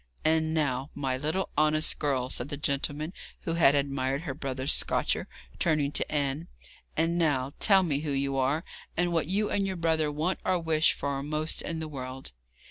'And now, my little honest girl,' said the gentleman who had admired her brother's scotcher, turning to Anne 'and now tell me who you are, and what you and your brother want or wish for most in the world.'